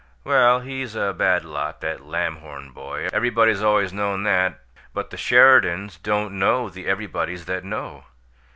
Well, he's a bad lot, that Lamhorn boy; everybody's always known that, but the Sheridans don't know the everybodies that know.